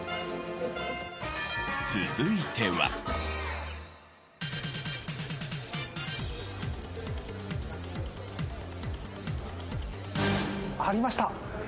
続いては。ありました！